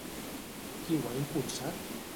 Qui ho ha impulsat?